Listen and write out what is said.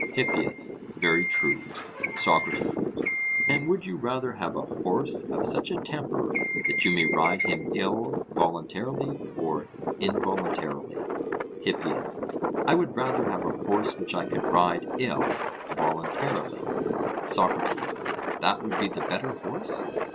HIPPIAS: Very true. SOCRATES: And would you rather have a horse of such a temper that you may ride him ill voluntarily or involuntarily? HIPPIAS: I would rather have a horse which I could ride ill voluntarily. SOCRATES: That would be the better horse?